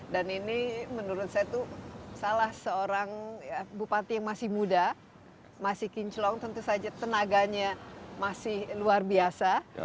dan ini menurut saya itu salah seorang bupati yang masih muda masih kinclong tentu saja tenaganya masih luar biasa